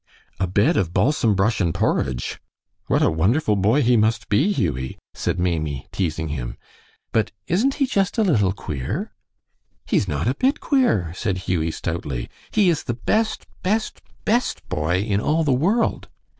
"A bed of balsam brush and porridge! What a wonderful boy he must be, Hughie," said Maimie, teasing him. "But isn't he just a little queer?" "He's not a bit queer," said Hughie, stoutly. "He is the best, best, best boy in all the world."